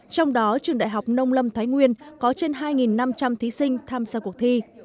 trong đó trường đại học nông lâm thái nguyên có trên hai năm trăm linh thí sinh tham gia cuộc thi